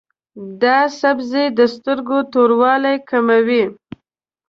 دا سبزی د سترګو توروالی کموي.